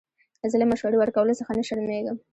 زه له مشورې ورکولو څخه نه شرمېږم.